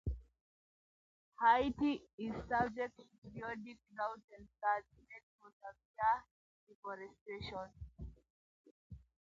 Haiti is subject to periodic droughts and floods, made more severe by deforestation.